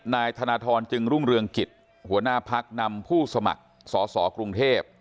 นายธนทรจึงรุ่งเรืองกิจหัวหน้าพักนำผู้สมัครสอสอกรุงเทพ